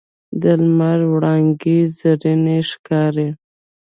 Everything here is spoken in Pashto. د لمر وړانګې زرینې ښکاري